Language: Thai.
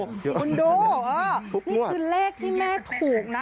คุณดูนี่คือเลขที่แม่ถูกนะ